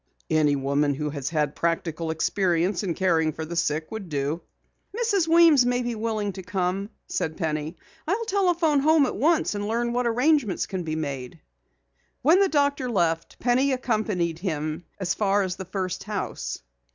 "Any woman who has had practical experience in caring for the sick would do." "Mrs. Weems may be willing to come," said Penny. "I'll telephone home at once and learn what arrangements can be made." When the doctor left, Penny accompanied him as far as the first house.